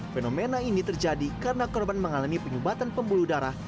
fenomena ini terjadi karena korban mengalami penyumbatan pembuluh darah